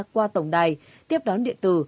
qua tổng đài tiếp đón điện tử